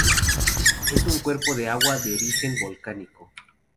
Es un cuerpo de agua de origen volcánico.